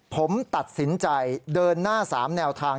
ผมตัดสินใจเดินหน้า๓แนวทาง